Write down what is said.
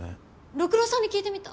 六郎さんに聞いてみた？